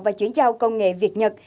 và chuyển giao công nghệ việt nhật